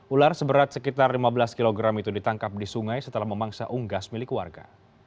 ular seberat sekitar lima belas kg itu ditangkap di sungai setelah memangsa unggas milik warga